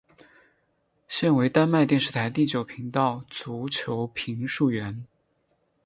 现为丹麦电视台第九频道足球评述员。